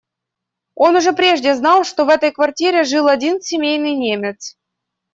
Он уже прежде знал, что в этой квартире жил один семейный немец.